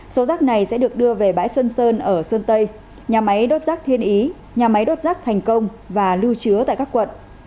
số rác này sẽ được đưa về bãi xuân sơn ở sơn tây nhà máy đốt rác thiên ý nhà máy đốt rác thành công và lưu chứa tại các quận